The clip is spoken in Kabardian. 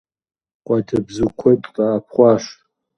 Къуалэбзу куэд къэӀэпхъуащ.